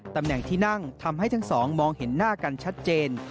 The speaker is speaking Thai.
ตำแหน่งที่นั่งทำให้ทั้งสองมองเห็นหน้ากันชัดเจน